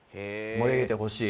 盛り上げてほしい。